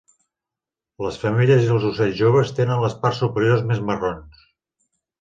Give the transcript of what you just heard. Les femelles i els ocells joves tenen les parts superiors més marrons.